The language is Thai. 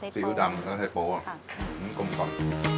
ซีอุ๊ดดำใช้โป้อ่ะค่ะนึงกลมก่อน